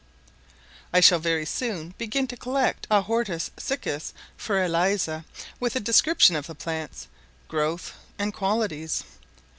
I shall very soon begin to collect a hortus siccus for Eliza, with a description of the plants, growth, and qualities.